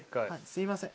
すいません。